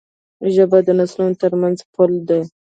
ژبه د نسلونو ترمنځ پُل دی.